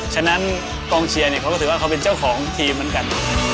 ฉะนั้นกองเชียร์เนี่ยเขาก็ถือว่าเขาเป็นเจ้าของทีมเหมือนกัน